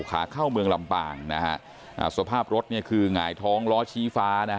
ขาเข้าเมืองลำปางนะฮะอ่าสภาพรถเนี่ยคือหงายท้องล้อชี้ฟ้านะฮะ